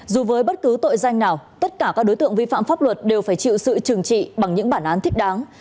dù với bất cứ tội danh nào tất cả các đối tượng vi phạm pháp luật đều phải chịu sự trừng trị bằng những bản án thích đáng